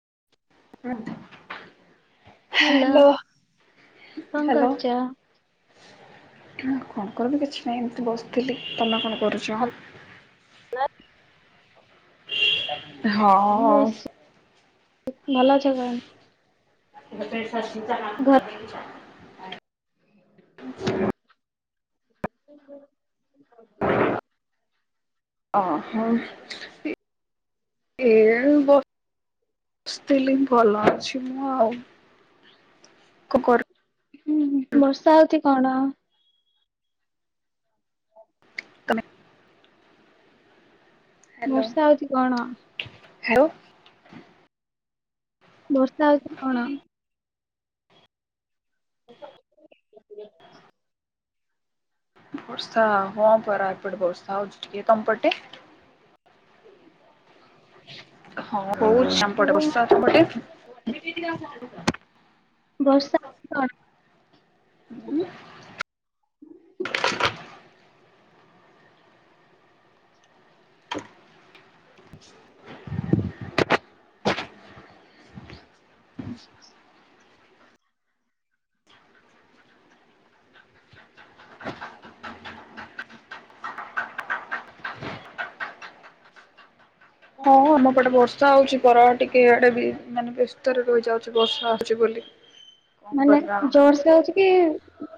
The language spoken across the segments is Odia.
[inaudible] ହେଲୋ ହ୍ୟାଲୋ କଣ ହ୍ୟାଲୋ। କରୁଛ? କଣ କରିବି କିଛି ନାହିଁ ଏମିତି ବସିଥିଲି। ତମେ କଣ କରୁଚ? [inaudible] ହଁ। ଭଲଅଛ [unintelligible] [inaudible] [unintelligible] [inaudible] [unintelligible] ହଁ। ହୋଉ [unintelligible] ଏ ବ ବସିଥିଲି ଭଲ ଅଛି ମୁଁ ଆଉ [unintelligible] ହୁଁ ହୁଁ ବର୍ଷା ହଉଛି କଣ? [inaudible] ହ୍ୟାଲୋ ବର୍ଷା ହଉଛି କଣ? [unintelligible] ବର୍ଷା ହଉଛି କଣ? [inaudible] ବର୍ଷା ହଁ ପରା ଏପଟେ ବର୍ଷା ହଉଛି ଟିକେ ତମପଟେ? ହଁ। ହଉଚି ଆମ ତୋର ପେଟ ବର୍ଷା ମୋ- ତମ ପଟେ। ବର୍ଷା ହଉଛି କଣ? ଉମ। [inaudible] ହଁ ଆମ ପଟେ ବର୍ଷା ହଉଛି ପରା ଟିକେ ଇଆଡେ ବି। ମାନେ ବେଶ ଭିତରେ ରହିଯାଉଛି ବର୍ଷା ଆସୁଛି ବୋଲି କଣ କରିବା।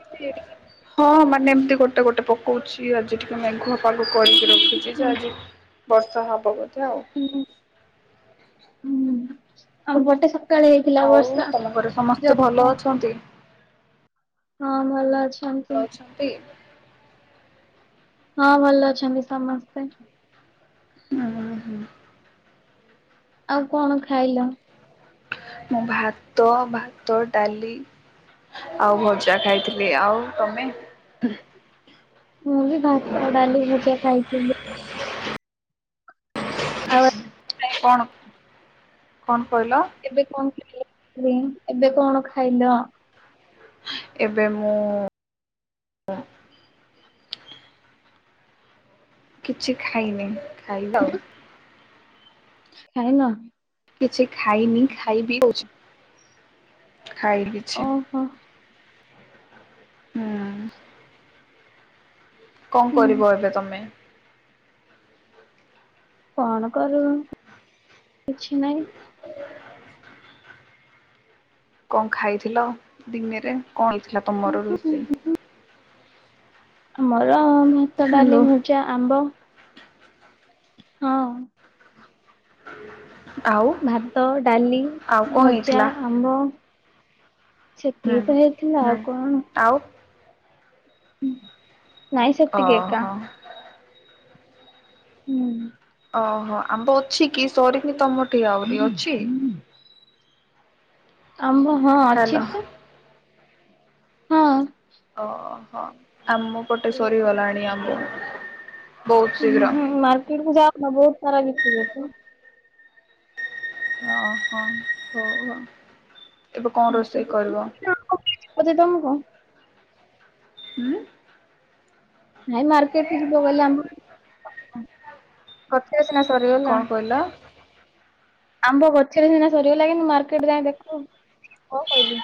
ସିଆଡ଼ି କି। ହଁ ମାନେ ଏମିତି ଗୋଟେ ଗୋଟେ ପକଉଛି ଆଜି ଟିକେ ମେଘୁଆ ବାପାଙ୍କୁ କରିକି ରଖିଛି ଯେ ଆଜି ବର୍ଷା ହବ ବଧେ ଆଉ। ହୁଁ, ଆଉ ଗୋଟେ ସ ଆଉ ତମ ଘରେ ସମସ୍ତେ ଭଲ ଅଛନ୍ତି। ହଁ ଭଲ ଅଛ ଭଲ ଅଛନ୍ତି। ହଁ ଭଲ ଅଛନ୍ତି ସମସ୍ତେ। ନା [unintelligible] ହୁଁ। ଆଉ କଣ ଖାଇଲ? ମୁଁ ଭାତ ଭାତ ଡାଲି ଆଉ ଭଜା ଖାଇଥିଲି ଆଉ ତମେ। ମୁଁ ବି ଭାତ ଆଉ ଡାଲି ଭଜା ଖାଇଥିଲି। ଆଉ କଣ। କଣ? କହିଲ? ଏବେ କଣ। [unintelligible] [unintelligible] ଏବେ କଣ ଖାଇଲ? ଏବେ ମୁଁ ଉ। କିଛି ଖାଇନି। ଖାଇବି ଆଉ। ଖାଇନ। କିଛି ଖାଇନି ଖାଇବି କହୁଛି। ଖାଇଲିଛି। ଓହୋ ହୁଁ। କଣ ହୁଁ କରିବ ଏବେ ତମେ? କଣ କରିବୁ କିଛି ନାହି। କଣ ଖାଇଥିଲ ଦିନରେ କଣ ଥିଲା ତୁମର ରୋଷେଇ? ଆମର ଭାତ ହ୍ୟାଲୋ ଡାଲି ଭଜା ଆମ୍ବ ହଁ। ଆଉ ଭାତ ଡାଲି ଆଉ କଣ ହେଇଥିଲା? ଭଜା ଆମ୍ବ। ସେତିକି ହୁଁ ତ ହେଇଥିଲା ହୁଁ ଆଉ କଣ? ଆଉ ହୁଁ। ନାଇଁ ସେତିକି ଏକା। ଓହୋ। ହୁଁ। ଓହୋ ଆମ୍ବ ଅଛି କି ସରିନି ତମର? ତି ଆହୁରି ଅଛି। ଆମ୍ବ ହଁ ଅଛି ହ୍ୟାଲୋ ତ। ହଁ। ଓ ହଁ। ଆମ ପଟେ ସରିଗଲାଣି ଆମ୍ବ ବହୁତ ଶୀଘ୍ର ହଁ [inaudible] ଓ ହ ହଉ ଆଉ ତ ତ [unintelligible] ହୁଁ ନାଇଁ ମାର୍କେଟ ଯିବ ଗଲେ ଆମେ ସିନା ସରିଗଲା କଣ କହିଲ? ଆମ୍ବ ଗଛରେ ସିନା ସରିଗଲା କି ମୁ ମାର୍କେଟ ଯାଏ ଦେଖୁ କଣ କହିଲି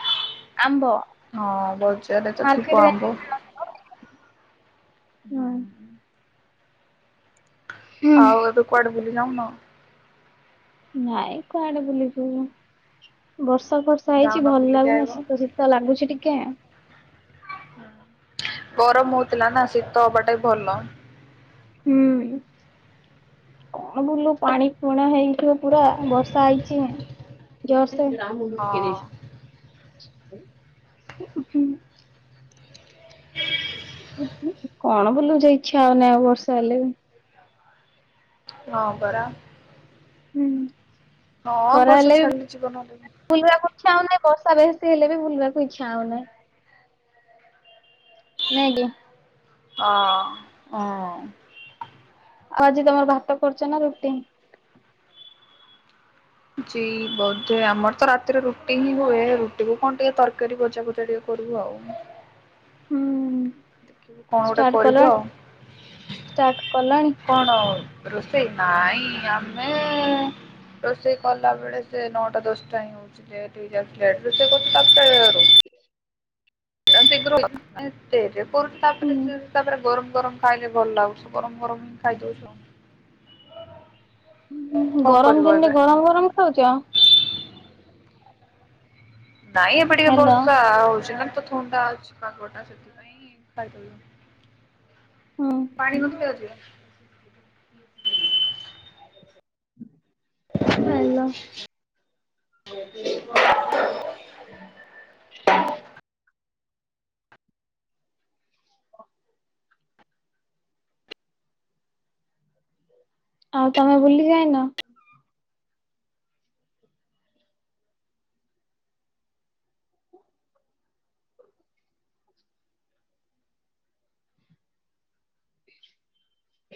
ଆମ୍ବ ହଁ ତ ଥିବ ମାର୍କେଟ ଆମ୍ବ। ଯାଇକି କିନାହେବ ହୁମ୍ ଆଉ ଏବେ [unintelligible] ବୁଲି ନଉନ ନାଇଁ କୁଆଆଡେ ବୁଲିଯିବୁ ବର୍ଷା ଫରସା ଯାଉନ ହେଇଛି ଭଲ ବୁଲିକି ଲାଗୁନି ଆଇବ? ଶୀତ ଶୀତ ଲାଗୁଛି ଟିକେ ଗରମ ହଉଥିଲା ନା ଶୀତ ହବା ଟା ଭଲ ହୁଁ କଣ ବୁଲୁ ପାଣି ପୁଣା ହେଇ ପୁରା ବର୍ଷା ହେଇଛି ଜର୍ [unintelligible] ରାମ ମୁଟ ହଁ କିରେ [unintelligible] ହ [inaudible] କଣ ବୁଲୁ ଇଚ୍ଛା ହଉନ ଆଉ ବର୍ଷ ହେଲେ ବି ହଁ ପରା। ହୁଁ। ହଁ ଗୋଷ ଛାଡିଛିିବନଲେ ଇଛା ହଉନହି ବର୍ଷା ବେଶୀ ହେଲେ ବି ଭୁଲିବାକୁ ଇଚ୍ଛା ହଉନି। ନାଇକି? ହ ହଁ। ଆଉ ଆଜି ତମର ଭାତ କରୁଛ ନା ରୁଟି? ଜ ବୋଧେ ଆମର ତ ରାତିରେ ରୁଟି ହିଁ ହୁଏ ରୁଟି କ କଣ ଟିକେ ତରକାରୀ ବଜା ବଜା ଟିକେ ତରକାରିକରିବୁ ଆଉ। ହୁଁ। ଦେଖିବୁ କଣ ଗୋଟେ ଷ୍ଟାର୍ଟ କରିବୁ ଆଉ କଲଣି ଷ୍ଟାର୍ଟ କଲଣି? କଣ ଆଉ। ରୋଷେଇ ନାଇଁ ଆମେ ରୋଷେଇ କଲା ବେଳେ ସେ ନଅଟା ଦଶଟା ହିଁ ହଉଚି ଟିକଲେଟେ ହେଉଚି କରୁଛୁାରଟା ବେଳରୁ। ରାତିକିରୁ [inaudible] କର ହୁଁ ତାପରେ ତାପରେ ଗରମ ଗରମ ଖାଇଲେ ଭଲ ଲାଗୁଛ ଗରମ ଗରମ ହିଁ ଖାଇଦଉଛୁ। କଣ ଗରମ କରିବ ଦିନରେ ଏବେ? ଗରମ ଗରମ ଖାଉଛ ଆ ନାଇଁ ଏପ ଟିକେ ହ୍ୟାଲୋ। ବର୍ଷା ହଉଛି ନା। ଥଣ୍ଡା ଅଛି କାଗଟା ସେଥିପାଇଁ ଖାଇଦେଲ ହୁଁ ପାଣି ପଦିଆଯାଉଛି। ହୁଁ [inaudible] ହଁ ହଲୋ। [inaudible] ହ [inaudible] ଆଉ ତମେ ବୁଲି ଯାଇନ?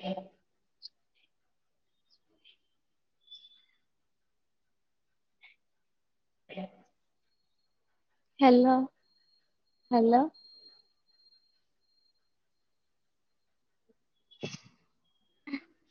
ହ [inaudible] ହ [inaudible] ହ୍ୟାଲୋ ହ୍ୟାଲୋ। [inaudible]